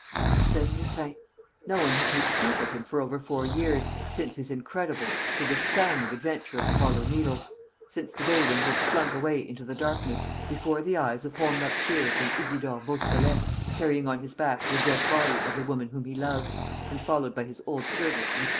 Arsène Lupin! No one had heard speak of him for over four years, since his incredible, his astounding adventure of the Hollow Needle, since the day when he had slunk away into the darkness before the eyes of Holmlock Shears and Isidore Beautrelet, carrying on his back the dead body of the woman whom he loved, and followed by his old servant, Victoire.